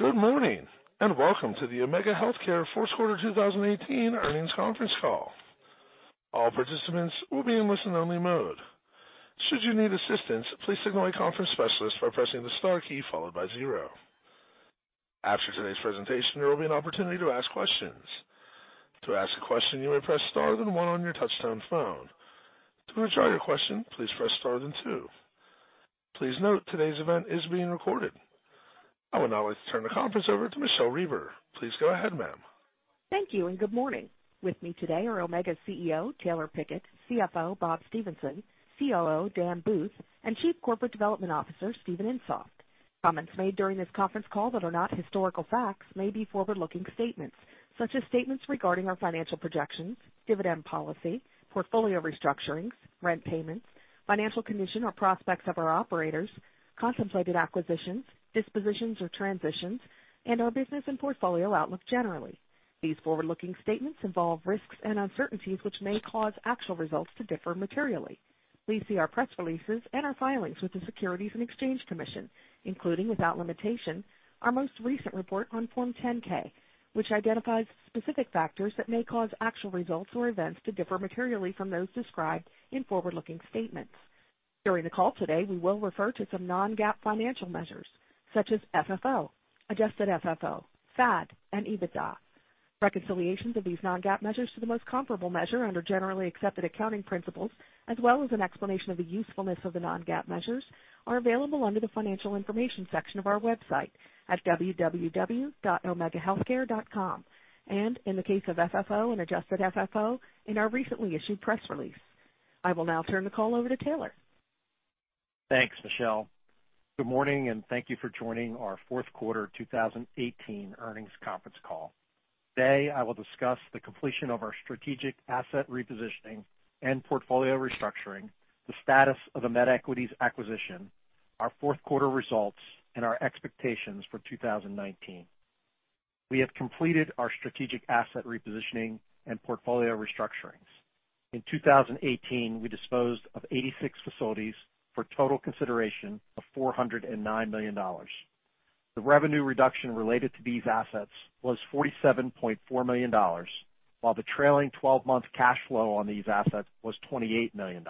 Good morning, welcome to the Omega Healthcare fourth quarter 2018 earnings conference call. All participants will be in listen only mode. Should you need assistance, please signal a conference specialist by pressing the star key followed by zero. After today's presentation, there will be an opportunity to ask questions. To ask a question, you may press star then one on your touchtone phone. To withdraw your question, please press star then two. Please note, today's event is being recorded. I would now like to turn the conference over to Michele Reber. Please go ahead, ma'am. Thank you, good morning. With me today are Omega's CEO, Taylor Pickett, CFO, Bob Stephenson, COO, Dan Booth, and Chief Corporate Development Officer, Steven Insoft. Comments made during this conference call that are not historical facts may be forward-looking statements such as statements regarding our financial projections, dividend policy, portfolio restructurings, rent payments, financial condition, or prospects of our operators, contemplated acquisitions, dispositions or transitions, and our business and portfolio outlook generally. These forward-looking statements involve risks and uncertainties which may cause actual results to differ materially. Please see our press releases and our filings with the Securities and Exchange Commission, including, without limitation, our most recent report on Form 10-K, which identifies specific factors that may cause actual results or events to differ materially from those described in forward-looking statements. During the call today, we will refer to some non-GAAP financial measures, such as FFO, adjusted FFO, FAD, and EBITDA. Reconciliations of these non-GAAP measures to the most comparable measure under generally accepted accounting principles, as well as an explanation of the usefulness of the non-GAAP measures, are available under the Financial Information section of our website at www.omegahealthcare.com, in the case of FFO and adjusted FFO, in our recently issued press release. I will now turn the call over to Taylor. Thanks, Michele. Good morning, thank you for joining our fourth quarter 2018 earnings conference call. Today, I will discuss the completion of our strategic asset repositioning and portfolio restructuring, the status of the MedEquities acquisition, our fourth quarter results, and our expectations for 2019. We have completed our strategic asset repositioning and portfolio restructurings. In 2018, we disposed of 86 facilities for total consideration of $409 million. The revenue reduction related to these assets was $47.4 million, while the trailing 12-month cash flow on these assets was $28 million.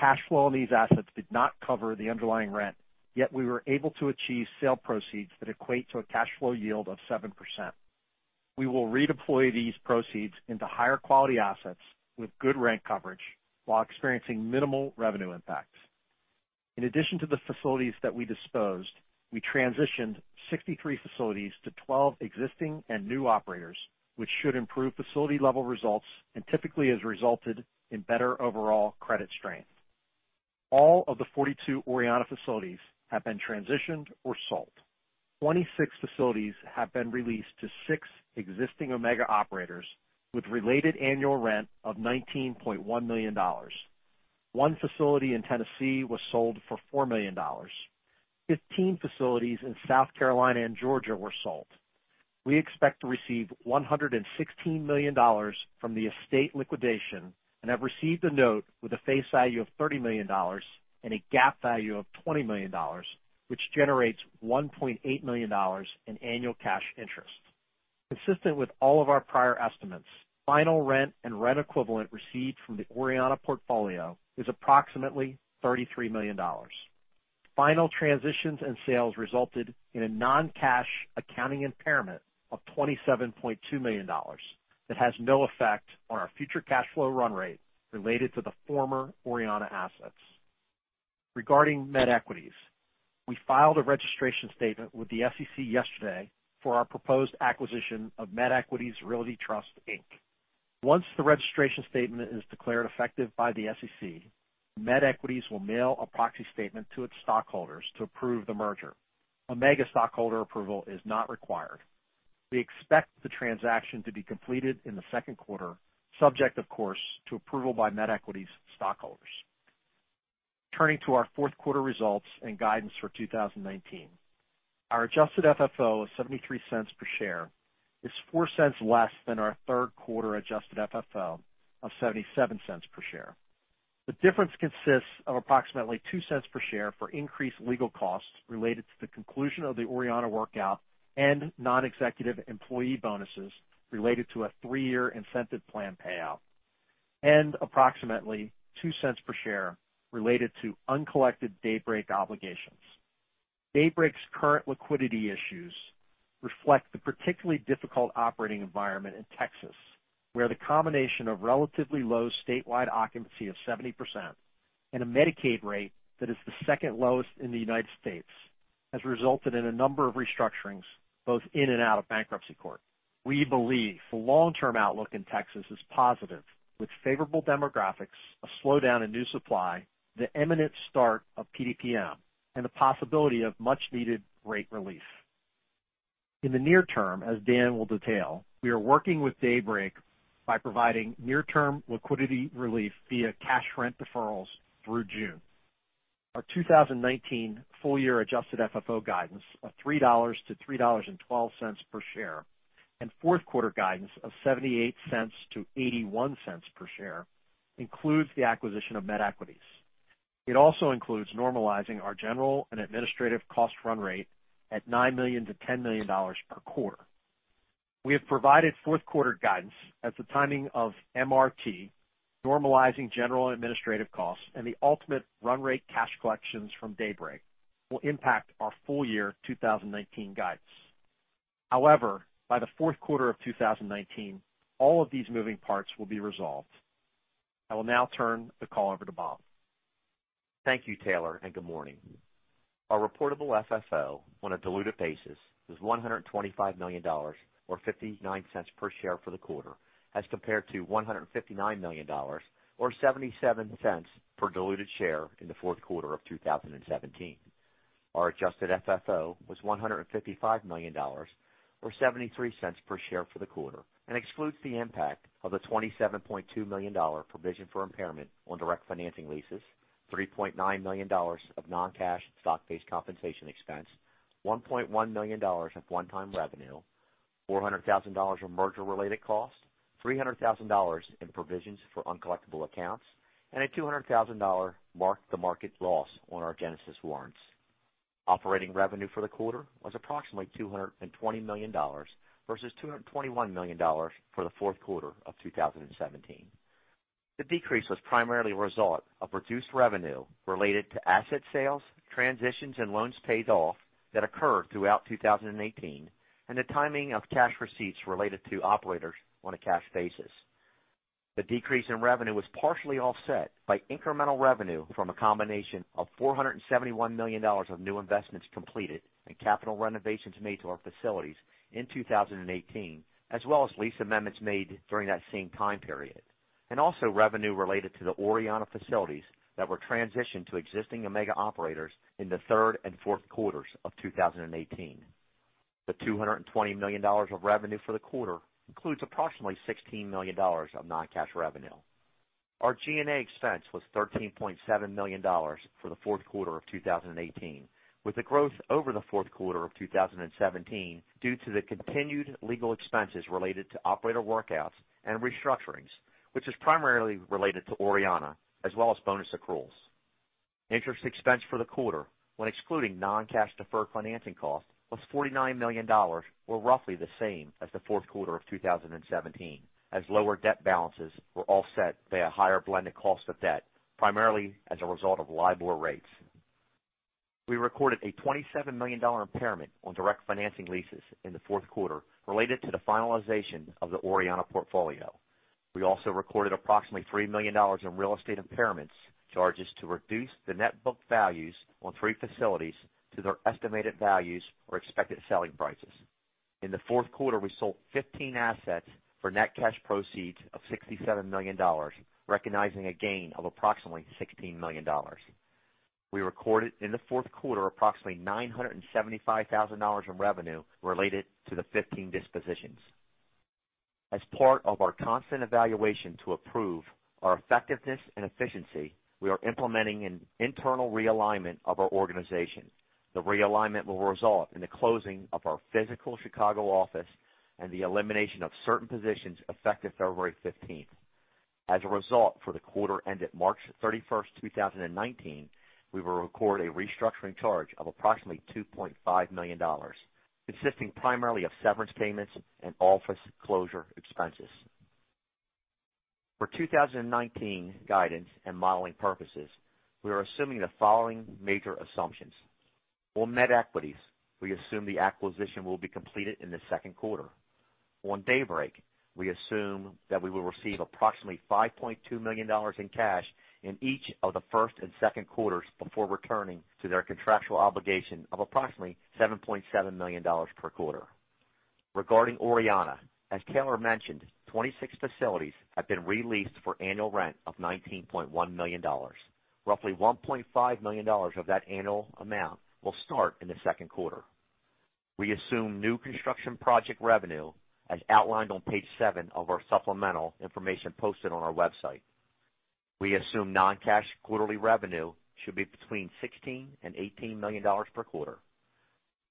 Cash flow on these assets did not cover the underlying rent, yet we were able to achieve sale proceeds that equate to a cash flow yield of 7%. We will redeploy these proceeds into higher quality assets with good rent coverage while experiencing minimal revenue impacts. In addition to the facilities that we disposed, we transitioned 63 facilities to 12 existing and new operators, which should improve facility-level results and typically has resulted in better overall credit strength. All of the 42 Orianna facilities have been transitioned or sold. 26 facilities have been released to six existing Omega operators with related annual rent of $19.1 million. One facility in Tennessee was sold for $4 million. 15 facilities in South Carolina and Georgia were sold. We expect to receive $116 million from the estate liquidation and have received a note with a face value of $30 million and a GAAP value of $20 million, which generates $1.8 million in annual cash interest. Consistent with all of our prior estimates, final rent and rent equivalent received from the Orianna portfolio is approximately $33 million. Final transitions and sales resulted in a non-cash accounting impairment of $27.2 million that has no effect on our future cash flow run rate related to the former Orianna assets. Regarding MedEquities, we filed a registration statement with the SEC yesterday for our proposed acquisition of MedEquities Realty Trust, Inc. Once the registration statement is declared effective by the SEC, MedEquities will mail a proxy statement to its stockholders to approve the merger. Omega stockholder approval is not required. We expect the transaction to be completed in the second quarter, subject of course to approval by MedEquities' stockholders. Turning to our fourth quarter results and guidance for 2019. Our adjusted FFO of $0.73 per share is $0.04 less than our third quarter adjusted FFO of $0.77 per share. The difference consists of approximately $0.02 per share for increased legal costs related to the conclusion of the Orianna workout and non-executive employee bonuses related to a three-year incentive plan payout, and approximately $0.02 per share related to uncollected Daybreak obligations. Daybreak's current liquidity issues reflect the particularly difficult operating environment in Texas, where the combination of relatively low statewide occupancy of 70% and a Medicaid rate that is the second lowest in the U.S. has resulted in a number of restructurings, both in and out of bankruptcy court. We believe the long-term outlook in Texas is positive, with favorable demographics, a slowdown in new supply, the imminent start of PDPM, and the possibility of much-needed rate relief. In the near term, as Dan will detail, we are working with Daybreak by providing near-term liquidity relief via cash rent deferrals through June. Our 2019 full-year adjusted FFO guidance of $3-$3.12 per share and fourth quarter guidance of $0.78-$0.81 per share includes the acquisition of MedEquities. It also includes normalizing our general and administrative cost run rate at $9 million-$10 million per quarter. We have provided fourth quarter guidance as the timing of MRT, normalizing general and administrative costs, and the ultimate run rate cash collections from Daybreak will impact our full year 2019 guidance. However, by the fourth quarter of 2019, all of these moving parts will be resolved. I will now turn the call over to Bob. Thank you, Taylor, and good morning. Our reportable FFO on a diluted basis was $125 million, or $0.59 per share for the quarter, as compared to $159 million or $0.77 per diluted share in the fourth quarter of 2017. Our adjusted FFO was $155 million or $0.73 per share for the quarter, excludes the impact of the $27.2 million provision for impairment on direct financing leases, $3.9 million of non-cash stock-based compensation expense, $1.1 million of one-time revenue, $400,000 of merger-related costs, $300,000 in provisions for uncollectible accounts, and a $200,000 mark-to-market loss on our Genesis warrants. Operating revenue for the quarter was approximately $220 million versus $221 million for the fourth quarter of 2017. The decrease was primarily a result of reduced revenue related to asset sales, transitions, and loans paid off that occurred throughout 2018, and the timing of cash receipts related to operators on a cash basis. The decrease in revenue was partially offset by incremental revenue from a combination of $471 million of new investments completed and capital renovations made to our facilities in 2018, as well as lease amendments made during that same time period. Also revenue related to the Orianna facilities that were transitioned to existing Omega operators in the third and fourth quarters of 2018. The $220 million of revenue for the quarter includes approximately $16 million of non-cash revenue. Our G&A expense was $13.7 million for the fourth quarter of 2018, with a growth over the fourth quarter of 2017 due to the continued legal expenses related to operator workouts and restructurings, which is primarily related to Orianna, as well as bonus accruals. Interest expense for the quarter, when excluding non-cash deferred financing costs, was $49 million, or roughly the same as the fourth quarter of 2017, as lower debt balances were offset by a higher blended cost of debt, primarily as a result of LIBOR rates. We recorded a $27 million impairment on direct financing leases in the fourth quarter related to the finalization of the Orianna portfolio. We also recorded approximately $3 million in real estate impairments charges to reduce the net book values on three facilities to their estimated values or expected selling prices. In the fourth quarter, we sold 15 assets for net cash proceeds of $67 million, recognizing a gain of approximately $16 million. We recorded in the fourth quarter approximately $975,000 in revenue related to the 15 dispositions. As part of our constant evaluation to improve our effectiveness and efficiency, we are implementing an internal realignment of our organization. The realignment will result in the closing of our physical Chicago office and the elimination of certain positions effective February 15th. As a result, for the quarter ended March 31st, 2019, we will record a restructuring charge of approximately $2.5 million, consisting primarily of severance payments and office closure expenses. For 2019 guidance and modeling purposes, we are assuming the following major assumptions. For MedEquities, we assume the acquisition will be completed in the second quarter. On Daybreak, we assume that we will receive approximately $5.2 million in cash in each of the first and second quarters before returning to their contractual obligation of approximately $7.7 million per quarter. Regarding Orianna, as Taylor mentioned, 26 facilities have been re-leased for annual rent of $19.1 million. Roughly $1.5 million of that annual amount will start in the second quarter. We assume new construction project revenue as outlined on page seven of our supplemental information posted on our website. We assume non-cash quarterly revenue should be between $16 million and $18 million per quarter.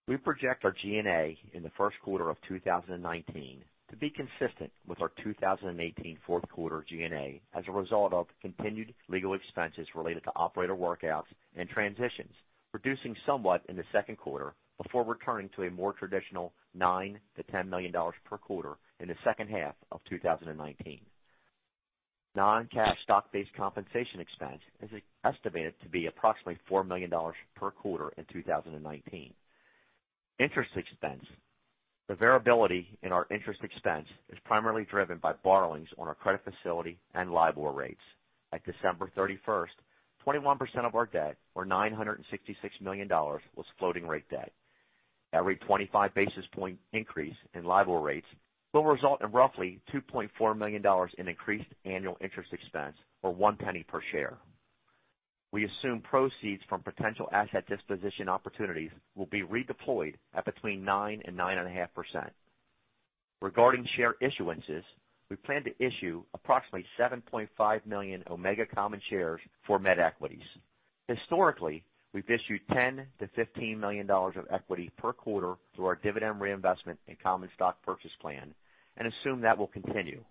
We project our G&A in the first quarter of 2019 to be consistent with our 2018 fourth quarter G&A, as a result of continued legal expenses related to operator workouts and transitions, reducing somewhat in the second quarter before returning to a more traditional $9 million-$10 million per quarter in the second half of 2019. Non-cash stock-based compensation expense is estimated to be approximately $4 million per quarter in 2019. Interest expense. The variability in our interest expense is primarily driven by borrowings on our credit facility and LIBOR rates. At December 31st, 21% of our debt, or $966 million, was floating rate debt. Every 25 basis point increase in LIBOR rates will result in roughly $2.4 million in increased annual interest expense or $0.01 per share. We assume proceeds from potential asset disposition opportunities will be redeployed at between 9% and 9.5%. Regarding share issuances, we plan to issue approximately 7.5 million Omega common shares for MedEquities. Historically, we've issued $10 million-$15 million of equity per quarter through our dividend reinvestment and common stock purchase plan and assume that will continue.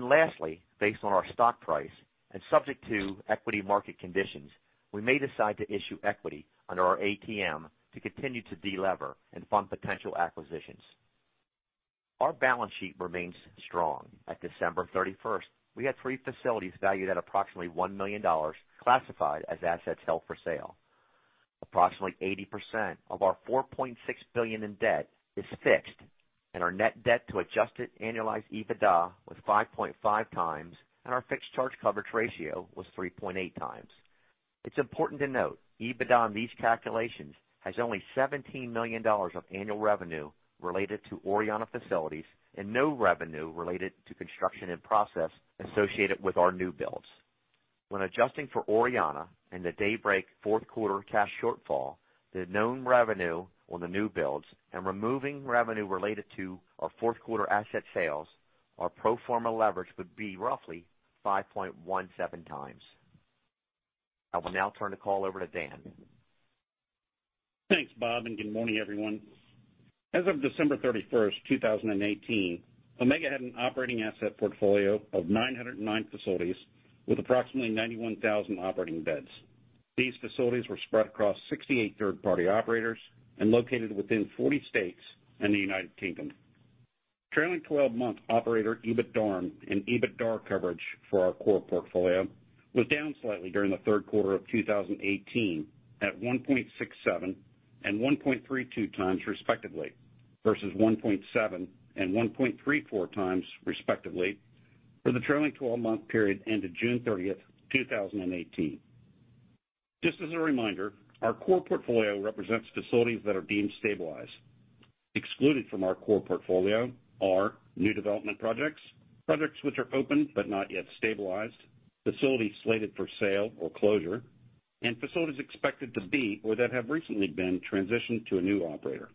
Lastly, based on our stock price and subject to equity market conditions, we may decide to issue equity under our ATM to continue to de-lever and fund potential acquisitions. Our balance sheet remains strong. At December 31st, we had three facilities valued at approximately $1 million classified as assets held for sale. Approximately 80% of our $4.6 billion in debt is fixed, and our net debt to adjusted annualized EBITDA was 5.5x, and our fixed charge coverage ratio was 3.8x. It's important to note, EBITDA in these calculations has only $17 million of annual revenue related to Orianna facilities and no revenue related to construction in process associated with our new builds. When adjusting for Orianna and the Daybreak fourth quarter cash shortfall, the known revenue on the new builds and removing revenue related to our fourth quarter asset sales, our pro forma leverage would be roughly 5.17x. I will now turn the call over to Dan. Thanks, Bob, and good morning, everyone. As of December 31st, 2018, Omega had an operating asset portfolio of 909 facilities with approximately 91,000 operating beds. These facilities were spread across 68 third-party operators and located within 40 states and the U.K. Trailing 12-month operator EBITDARM and EBITDAR coverage for our core portfolio was down slightly during the third quarter of 2018, at 1.67x and 1.32x respectively, versus 1.7x and 1.34x, respectively, for the trailing 12-month period ended June 30th, 2018. Just as a reminder, our core portfolio represents facilities that are deemed stabilized. Excluded from our core portfolio are new development projects which are open but not yet stabilized, facilities slated for sale or closure, and facilities expected to be or that have recently been transitioned to a new operator.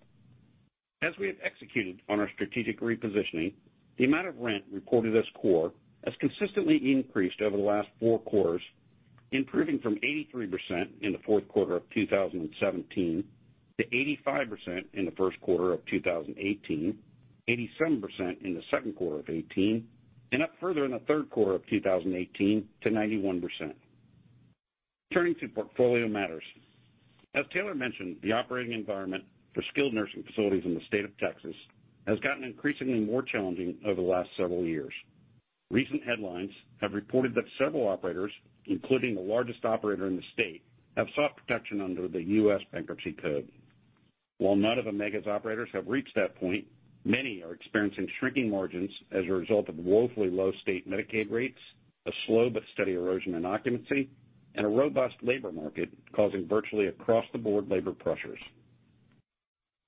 As we have executed on our strategic repositioning, the amount of rent reported as core has consistently increased over the last four quarters, improving from 83% in the fourth quarter of 2017 to 85% in the first quarter of 2018, 87% in the second quarter of 2018, and up further in the third quarter of 2018 to 91%. Turning to portfolio matters. As Taylor mentioned, the operating environment for skilled nursing facilities in the state of Texas has gotten increasingly more challenging over the last several years. Recent headlines have reported that several operators, including the largest operator in the state, have sought protection under the U.S. Bankruptcy Code. While none of Omega's operators have reached that point, many are experiencing shrinking margins as a result of woefully low state Medicaid rates, a slow but steady erosion in occupancy, and a robust labor market causing virtually across-the-board labor pressures.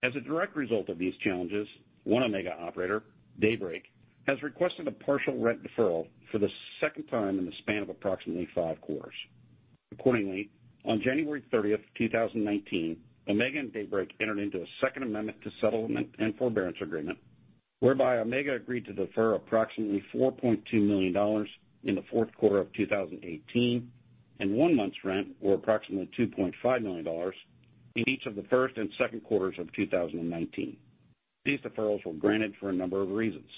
As a direct result of these challenges, one Omega operator, Daybreak, has requested a partial rent deferral for the second time in the span of approximately five quarters. Accordingly, on January 30th, 2019, Omega and Daybreak entered into a second amendment to settlement and forbearance agreement, whereby Omega agreed to defer approximately $4.2 million in the fourth quarter of 2018 and one month's rent, or approximately $2.5 million, in each of the first and second quarters of 2019. These deferrals were granted for a number of reasons.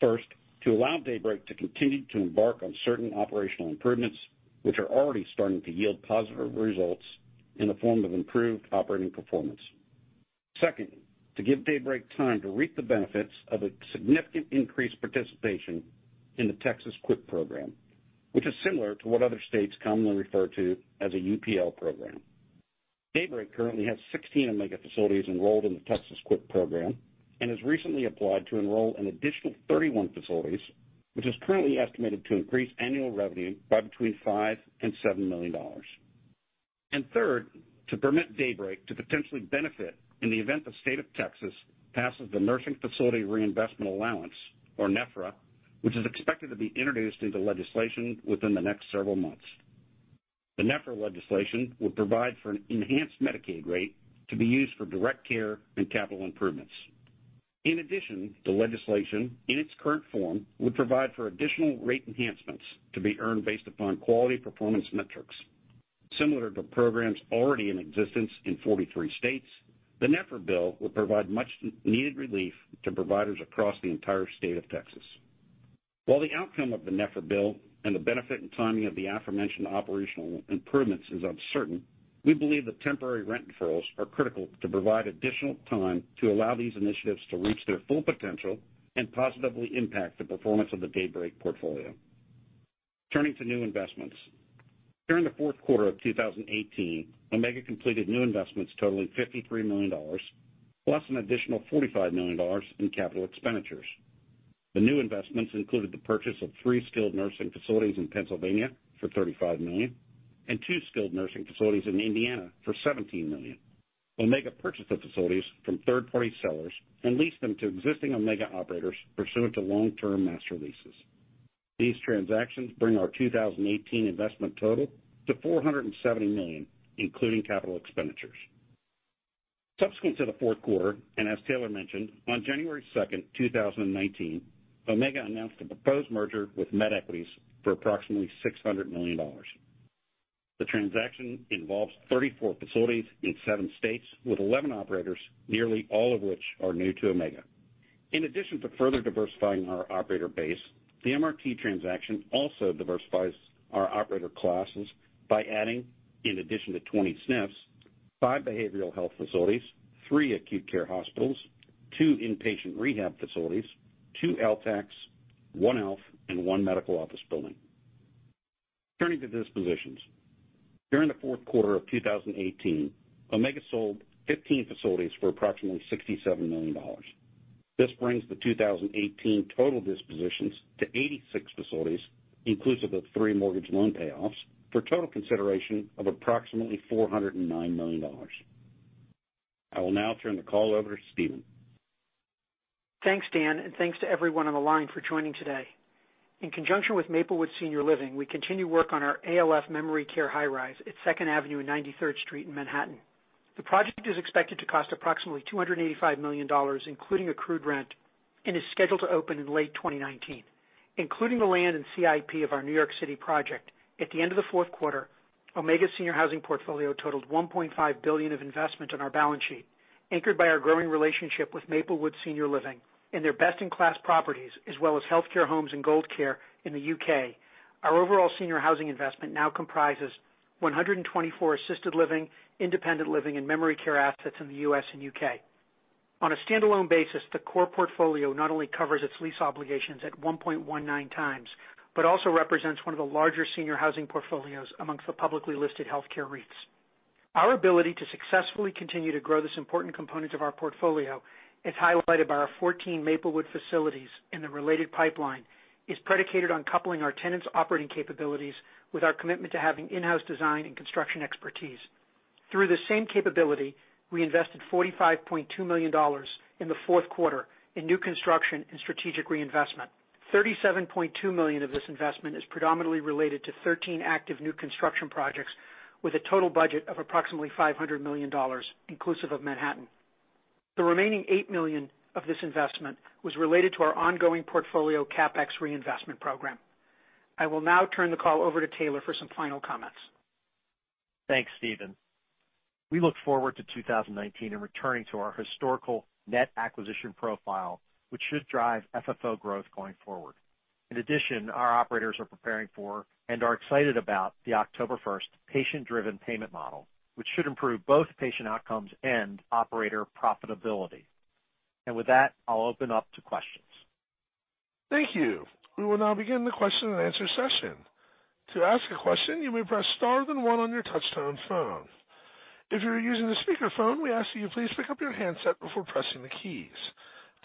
First, to allow Daybreak to continue to embark on certain operational improvements, which are already starting to yield positive results in the form of improved operating performance. Second, to give Daybreak time to reap the benefits of a significant increased participation in the Texas QIPP program, which is similar to what other states commonly refer to as a UPL program. Daybreak currently has 16 Omega facilities enrolled in the Texas QIPP program and has recently applied to enroll an additional 31 facilities, which is currently estimated to increase annual revenue by between $5 million and $7 million. Third, to permit Daybreak to potentially benefit in the event the state of Texas passes the Nursing Facility Reinvestment Allowance, or NFRA, which is expected to be introduced into legislation within the next several months. The NFRA legislation would provide for an enhanced Medicaid rate to be used for direct care and capital improvements. In addition, the legislation, in its current form, would provide for additional rate enhancements to be earned based upon quality performance metrics. Similar to programs already in existence in 43 states, the NFRA bill would provide much needed relief to providers across the entire state of Texas. While the outcome of the NFRA bill and the benefit and timing of the aforementioned operational improvements is uncertain, we believe that temporary rent deferrals are critical to provide additional time to allow these initiatives to reach their full potential and positively impact the performance of the Daybreak portfolio. Turning to new investments. During the fourth quarter of 2018, Omega completed new investments totaling $53 million, plus an additional $45 million in capital expenditures. The new investments included the purchase of three skilled nursing facilities in Pennsylvania for $35 million and two skilled nursing facilities in Indiana for $17 million. Omega purchased the facilities from third-party sellers and leased them to existing Omega operators pursuant to long-term master leases. These transactions bring our 2018 investment total to $470 million, including capital expenditures. Subsequent to the fourth quarter, as Taylor mentioned, on January 2nd, 2019, Omega announced a proposed merger with MedEquities for approximately $600 million. The transaction involves 34 facilities in seven states with 11 operators, nearly all of which are new to Omega. In addition to further diversifying our operator base, the MRT transaction also diversifies our operator classes by adding, in addition to 20 SNFs, five behavioral health facilities, three acute care hospitals, two inpatient rehab facilities, two LTACs, one ALF, and one medical office building. Turning to dispositions. During the fourth quarter of 2018, Omega sold 15 facilities for approximately $67 million. This brings the 2018 total dispositions to 86 facilities, inclusive of three mortgage loan payoffs, for a total consideration of approximately $409 million. I will now turn the call over to Steven. Thanks, Dan. Thanks to everyone on the line for joining today. In conjunction with Maplewood Senior Living, we continue work on our ALF memory care high-rise at 2nd Avenue and 93rd Street in Manhattan. The project is expected to cost approximately $285 million, including accrued rent, and is scheduled to open in late 2019. Including the land and CIP of our New York City project, at the end of the fourth quarter, Omega's senior housing portfolio totaled $1.5 billion of investment on our balance sheet. Anchored by our growing relationship with Maplewood Senior Living and their best-in-class properties, as well as Healthcare Homes and Gold Care in the U.K., our overall senior housing investment now comprises 124 assisted living, independent living, and memory care assets in the U.S. and U.K. On a standalone basis, the core portfolio not only covers its lease obligations at 1.19x, but also represents one of the larger senior housing portfolios amongst the publicly listed healthcare REITs. Our ability to successfully continue to grow this important component of our portfolio, as highlighted by our 14 Maplewood facilities and the related pipeline, is predicated on coupling our tenants' operating capabilities with our commitment to having in-house design and construction expertise. Through the same capability, we invested $45.2 million in the fourth quarter in new construction and strategic reinvestment. $37.2 million of this investment is predominantly related to 13 active new construction projects with a total budget of approximately $500 million, inclusive of Manhattan. The remaining $8 million of this investment was related to our ongoing portfolio CapEx reinvestment program. I will now turn the call over to Taylor for some final comments. Thanks, Steven. We look forward to 2019 and returning to our historical net acquisition profile, which should drive FFO growth going forward. In addition, our operators are preparing for and are excited about the October 1st Patient-Driven Payment Model, which should improve both patient outcomes and operator profitability. With that, I'll open up to questions. Thank you. We will now begin the question and answer session. To ask a question, you may press star then one on your touch-tone phone. If you are using a speakerphone, we ask that you please pick up your handset before pressing the keys.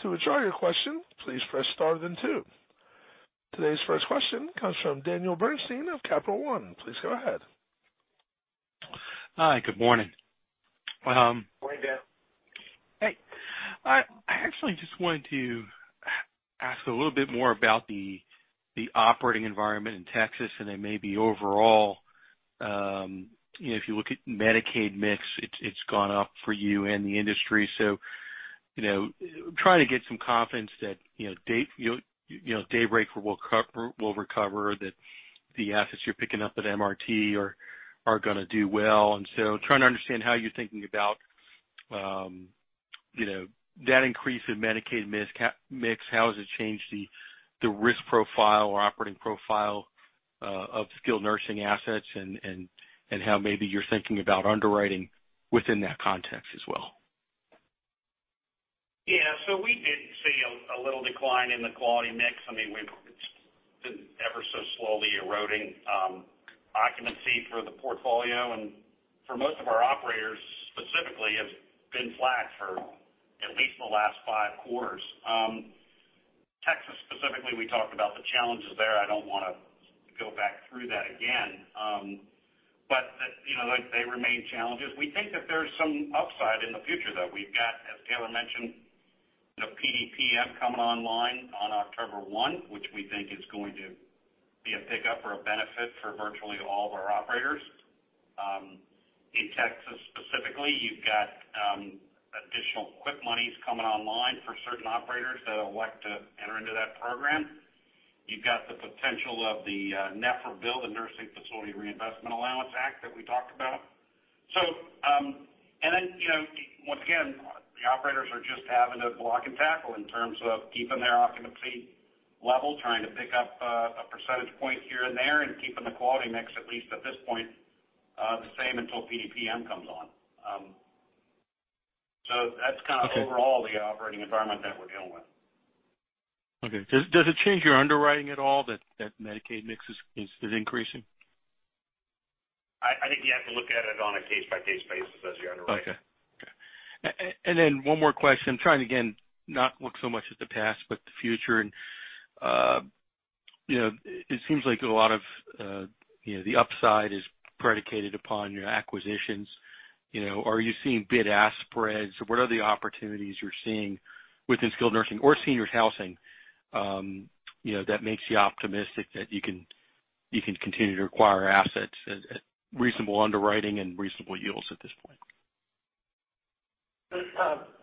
To withdraw your question, please press star then two. Today's first question comes from Daniel Bernstein of Capital One. Please go ahead. Hi, good morning. Morning, Dan. Hey. I actually just wanted to ask a little bit more about the operating environment in Texas, and then maybe overall. If you look at Medicaid mix, it's gone up for you and the industry. Trying to get some confidence that Daybreak will recover, that the assets you're picking up at MRT are going to do well. Trying to understand how you're thinking about that increase in Medicaid mix, how has it changed the risk profile or operating profile of Skilled Nursing assets, and how maybe you're thinking about underwriting within that context as well? Yeah. We did see a little decline in the quality mix. It's been ever so slowly eroding occupancy for the portfolio, and for most of our operators specifically, it's been flat for at least the last five quarters. Texas specifically, we talked about the challenges there. I don't want to go back through that again. They remain challenges. We think that there's some upside in the future, though. We've got, as Taylor mentioned, the PDPM coming online on October 1, which we think is going to be a pickup or a benefit for virtually all of our operators. In Texas specifically, you've got additional QIPP monies coming online for certain operators that elect to enter into that program. You've got the potential of the NFRA bill, the Nursing Facility Reinvestment Allowance Act, that we talked about. Once again, the operators are just having to block and tackle in terms of keeping their occupancy level, trying to pick up a percentage point here and there, and keeping the quality mix, at least at this point, the same until PDPM comes on. That's kind of- Okay overall the operating environment that we're dealing with. Okay. Does it change your underwriting at all that Medicaid mix is increasing? I think you have to look at it on a case-by-case basis as you underwrite. Okay. One more question. Trying, again, not look so much at the past, but the future. It seems like a lot of the upside is predicated upon your acquisitions. Are you seeing bid-ask spreads, or what are the opportunities you're seeing within skilled nursing or senior housing that makes you optimistic that you can continue to acquire assets at reasonable underwriting and reasonable yields at this point?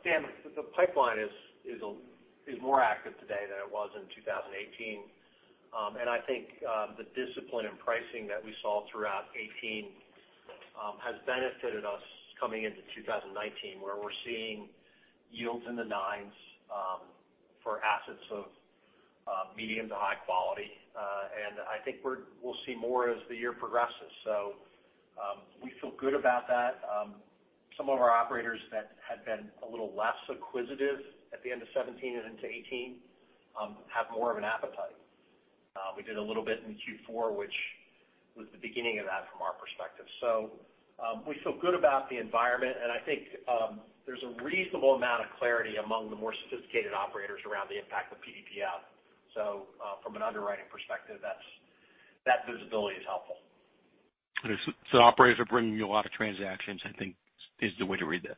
Dan, the pipeline is more active today than it was in 2018. I think the discipline in pricing that we saw throughout 2018 has benefited us coming into 2019, where we're seeing yields in the nines for assets of medium to high quality. I think we'll see more as the year progresses. We feel good about that. Some of our operators that had been a little less acquisitive at the end of 2017 and into 2018, have more of an appetite. We did a little bit in Q4, which was the beginning of that from our perspective. We feel good about the environment, and I think there's a reasonable amount of clarity among the more sophisticated operators around the impact of PDPM. From an underwriting perspective, that visibility is helpful. Operators are bringing you a lot of transactions, I think is the way to read that.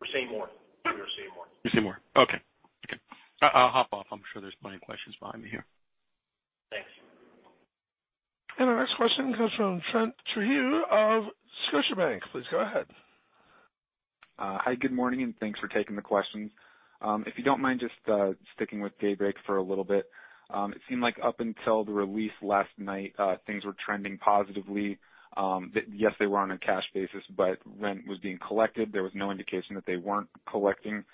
We're seeing more. You're seeing more. Okay. I'll hop off. I'm sure there's plenty of questions behind me here. Thanks. Our next question comes from Trent Trujillo of Scotiabank. Please go ahead. Hi, good morning, and thanks for taking the questions. If you don't mind, just sticking with Daybreak for a little bit. It seemed like up until the release last night, things were trending positively. That yes, they were on a cash basis, but rent was being collected. There was no indication that you weren't collecting,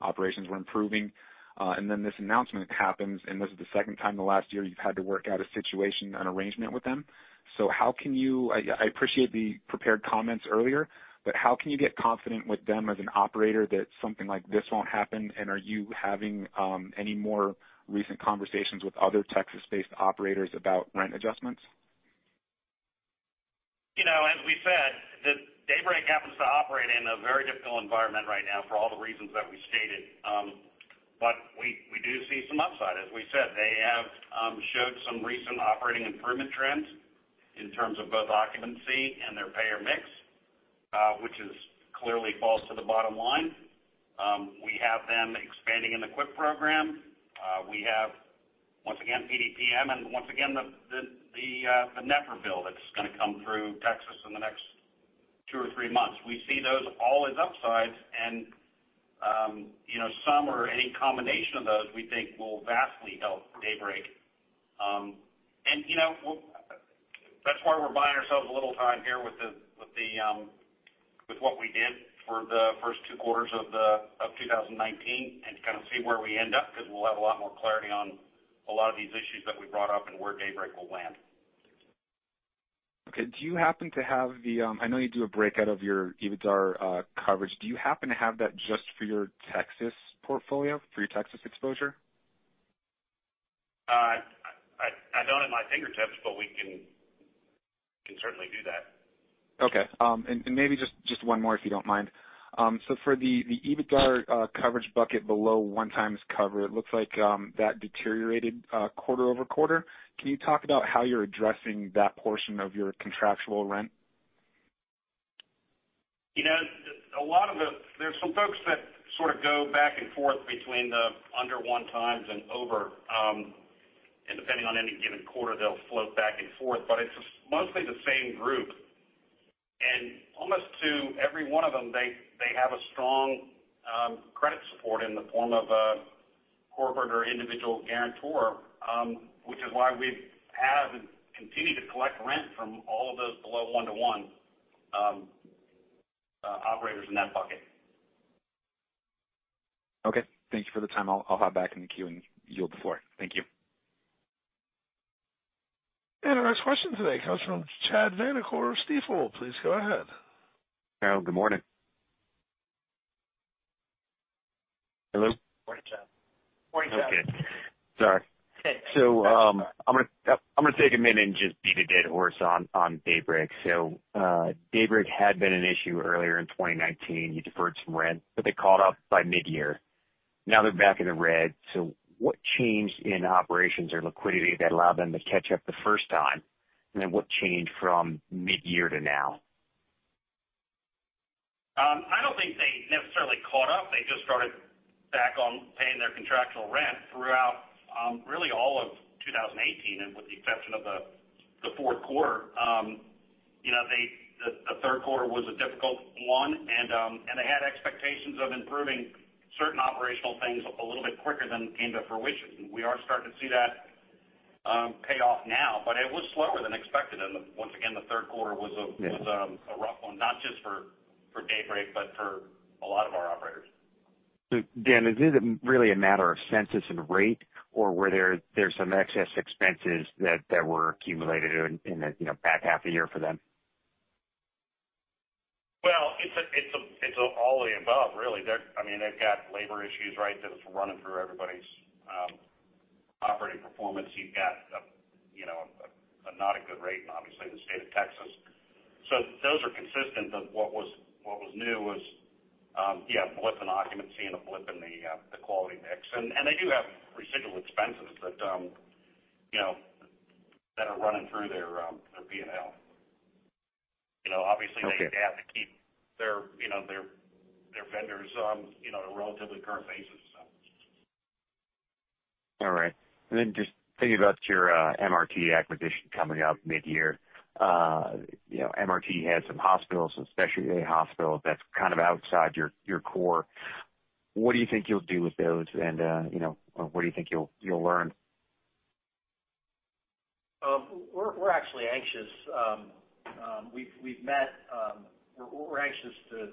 operations were improving. This announcement happens. This is the second time in the last year you've had to work out a situation, an arrangement with them. I appreciate the prepared comments earlier. How can you get confident with them as an operator that something like this won't happen? Are you having any more recent conversations with other Texas-based operators about rent adjustments? As we said, Daybreak happens to operate in a very difficult environment right now for all the reasons that we stated. We do see some upside. As we said, they have showed some recent operating improvement trends in terms of both occupancy and their payer mix, which clearly falls to the bottom line. We have them expanding in the QIPP program. We have, once again, PDPM and once again, the NFRA that's going to come through Texas in the next two or three months. We see those all as upsides and some or any combination of those we think will vastly help Daybreak. That's why we're buying ourselves a little time here with what we did for the first two quarters of 2019 and kind of see where we end up, because we'll have a lot more clarity on a lot of these issues that we brought up and where Daybreak will land. Okay. Do you happen to have, I know you do a breakout of your EBITDAR coverage. Do you happen to have that just for your Texas portfolio? For your Texas exposure? I don't at my fingertips, but we can certainly do that. Okay. Maybe just one more, if you don't mind. For the EBITDAR coverage bucket below one times cover, it looks like that deteriorated quarter-over-quarter. Can you talk about how you're addressing that portion of your contractual rent? There's some folks that sort of go back and forth between the under one times and over. Depending on any given quarter, they'll float back and forth, but it's mostly the same group. Almost to every one of them, they have a strong credit support in the form of a corporate or individual guarantor, which is why we have and continue to collect rent from all of those below one to one operators in that bucket. Okay. Thank you for the time. I'll hop back in the queue and yield the floor. Thank you. Our next question today comes from Chad Vanacore of Stifel. Please go ahead. Good morning. Hello? Morning, Chad. Okay. Sorry. It's okay. I'm gonna take a minute and just beat a dead horse on Daybreak. Daybreak had been an issue earlier in 2019. You deferred some rent, but they caught up by mid-year. Now they're back in the red. What changed in operations or liquidity that allowed them to catch up the first time? What changed from mid-year to now? I don't think they necessarily caught up. They just started back on paying their contractual rent throughout really all of 2018 and with the exception of the fourth quarter. The third quarter was a difficult one, and they had expectations of improving certain operational things a little bit quicker than came to fruition. We are starting to see that pay off now, but it was slower than expected. Once again, the third quarter was a. Yeah Was a rough one, not just for Daybreak, but for a lot of our operators. Dan, is it really a matter of census and rate or were there some excess expenses that were accumulated in that bad half a year for them? Well, it's all the above, really. They've got labor issues, right, that's running through everybody's operating performance. You've got not a good rate, obviously, in the state of Texas. Those are consistent. What was new was, yeah, a blip in occupancy and a blip in the quality mix. They do have residual expenses that are running through their P&L. Obviously they Okay have to keep their vendors on a relatively current basis. All right. Just thinking about your MRT acquisition coming up mid-year. MRT has some hospitals, especially a hospital that's outside your core. What do you think you'll do with those? What do you think you'll learn? We're actually anxious. We're anxious to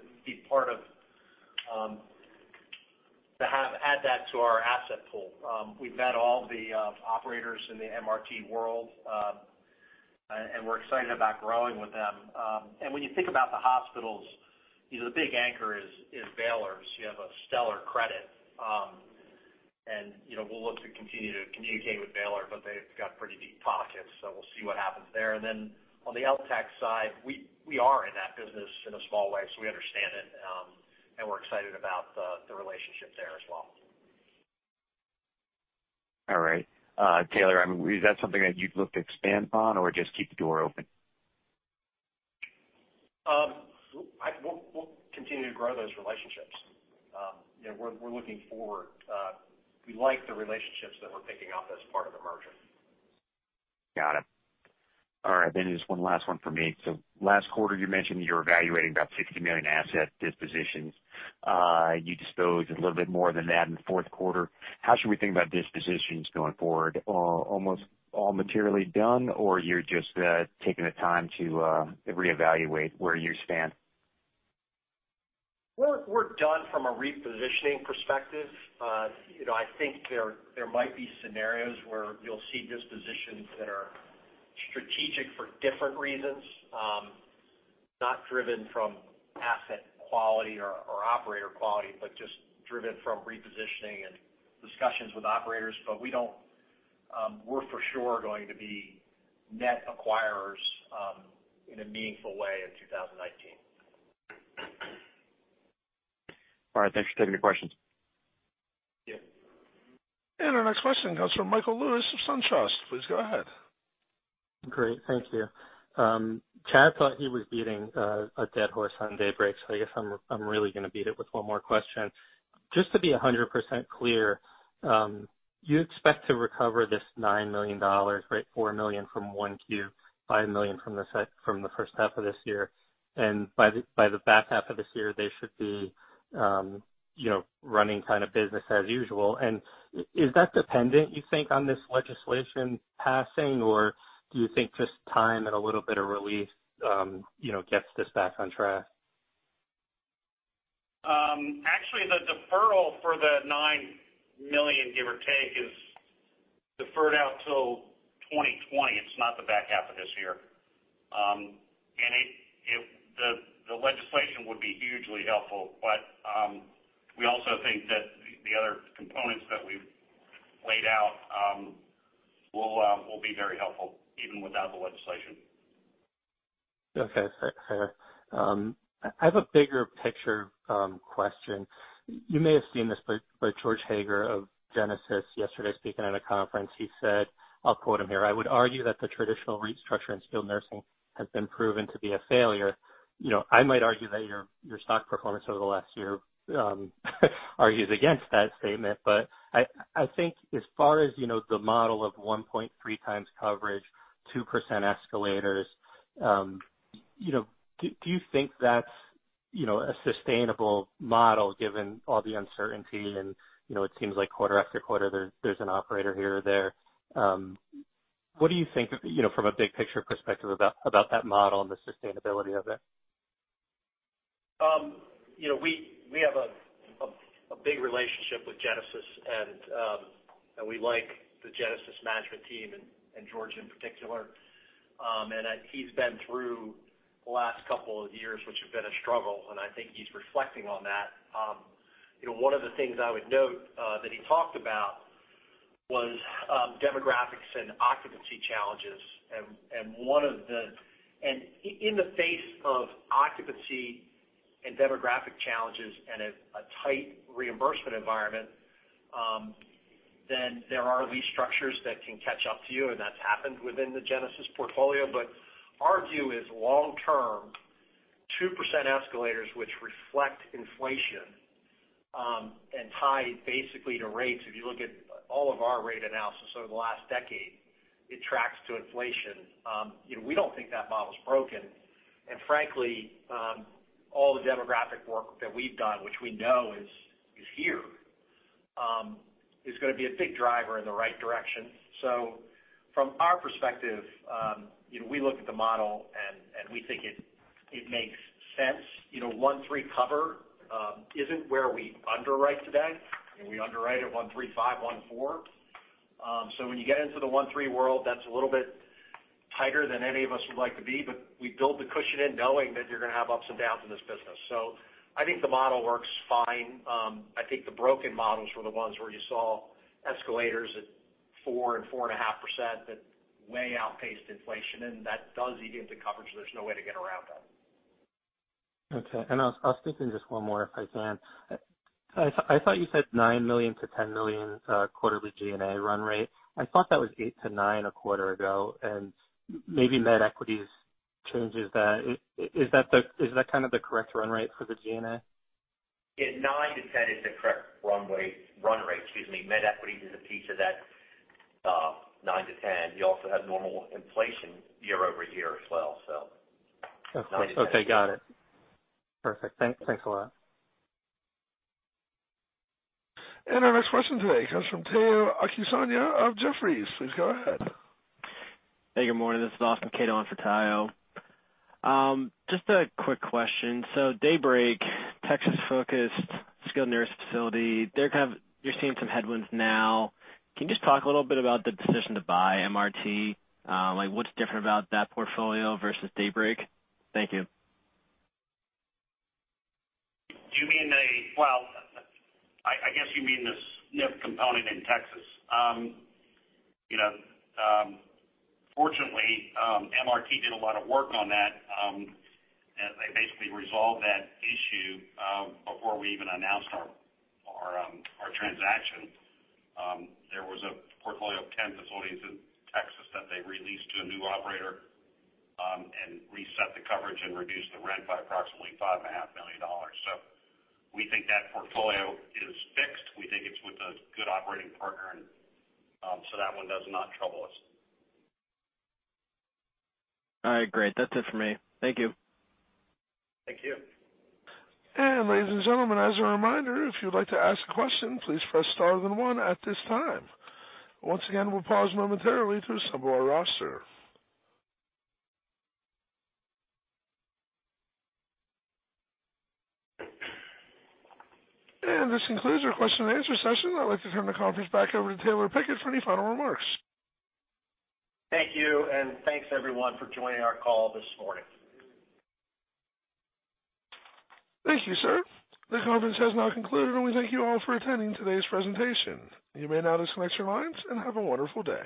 add that to our asset pool. We've met all the operators in the MRT world. We're excited about growing with them. When you think about the hospitals, the big anchor is Baylor. You have a stellar credit. We'll look to continue to communicate with Baylor, but they've got pretty deep pockets, so we'll see what happens there. On the LTCH side, we are in that business in a small way, so we understand it, and we're excited about the relationship there as well. All right. Taylor, is that something that you'd look to expand on or just keep the door open? We'll continue to grow those relationships. We're looking forward. We like the relationships that we're picking up as part of the merger. Got it. All right, just one last one from me. Last quarter, you mentioned you were evaluating about $60 million asset dispositions. You disposed a little bit more than that in the fourth quarter. How should we think about dispositions going forward? Almost all materially done, or you're just taking the time to reevaluate where you stand? We're done from a repositioning perspective. I think there might be scenarios where you'll see dispositions that are strategic for different reasons, not driven from asset quality or operator quality, but just driven from repositioning and discussions with operators. We're for sure going to be net acquirers in a meaningful way in 2019. All right, thanks for taking the questions. Yeah. Our next question comes from Michael Lewis of SunTrust. Please go ahead. Great. Thank you. Chad thought he was beating a dead horse on Daybreak, I guess I'm really going to beat it with one more question. Just to be 100% clear, you expect to recover this $9 million, right? Four million from 1Q, five million from the first half of this year. By the back half of this year, they should be running business as usual. Is that dependent, you think, on this legislation passing, or do you think just time and a little bit of relief gets this back on track? Actually, the deferral for the $9 million, give or take, is deferred out till 2020. It's not the back half of this year. The legislation would be hugely helpful, but we also think that the other components that we've laid out will be very helpful even without the legislation. Okay, fair. I have a bigger picture question. You may have seen this, George Hager of Genesis yesterday speaking at a conference, he said, I'll quote him here, "I would argue that the traditional restructure in skilled nursing has been proven to be a failure." I might argue that your stock performance over the last year argues against that statement. I think as far as the model of 1.3x coverage, 2% escalators, do you think that's a sustainable model given all the uncertainty and it seems like quarter after quarter there's an operator here or there. What do you think, from a big picture perspective about that model and the sustainability of it? We have a big relationship with Genesis and we like the Genesis management team and George in particular. He's been through the last couple of years, which have been a struggle, and I think he's reflecting on that. One of the things I would note that he talked about was demographics and occupancy challenges. In the face of occupancy and demographic challenges and a tight reimbursement environment, then there are restructures that can catch up to you, and that's happened within the Genesis portfolio. Our view is long-term, 2% escalators, which reflect inflation, and tied basically to rates. If you look at all of our rate analysis over the last decade, it tracks to inflation. We don't think that model's broken. Frankly, all the demographic work that we've done, which we know is here, is going to be a big driver in the right direction. From our perspective, we look at the model and we think it makes sense. 1.3x cover isn't where we underwrite today. We underwrite at 1.35x, 1.4x. When you get into the 1.3x world, that's a little bit tighter than any of us would like to be, but we build the cushion in knowing that you're going to have ups and downs in this business. I think the model works fine. I think the broken models were the ones where you saw escalators at 4% and 4.5% that way outpaced inflation, and that does eat into coverage. There's no way to get around that. I'll sneak in just one more if I can. I thought you said $9 million-$10 million quarterly G&A run rate. I thought that was $8 million-$9 million a quarter ago, and maybe MedEquities changes that. Is that the correct run rate for the G&A? Yeah, $9 million-$10 million is the correct run rate. MedEquities is a piece of that $9 million-$10 million. You also have normal inflation year-over-year as well. Okay. Got it. Perfect. Thanks a lot. Our next question today comes from Omotayo Okusanya of Jefferies. Please go ahead. Hey, good morning. This is Austin Caito on for Tayo. Just a quick question. Daybreak, Texas-focused skilled nursing facility. You're seeing some headwinds now. Can you just talk a little bit about the decision to buy MRT? What's different about that portfolio versus Daybreak? Thank you. I guess you mean the SNF component in Texas. Fortunately, MRT did a lot of work on that. They basically resolved that issue, before we even announced our transaction. There was a portfolio of 10 facilities in Texas that they released to a new operator, and reset the coverage and reduced the rent by approximately $5.5 million. We think that portfolio is fixed. We think it's with a good operating partner, and that one does not trouble us. All right, great. That's it for me. Thank you. Thank you. Ladies and gentlemen, as a reminder, if you'd like to ask a question, please press star then one at this time. Once again, we'll pause momentarily to assemble our roster. This concludes our question and answer session. I'd like to turn the conference back over to Taylor Pickett for any final remarks. Thank you, and thanks everyone for joining our call this morning. Thank you, sir. This conference has now concluded, and we thank you all for attending today's presentation. You may now disconnect your lines and have a wonderful day.